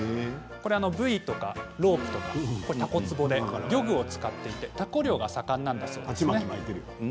ブイとかロープとかたこつぼで道具を使っていてタコ漁が盛んなんですね。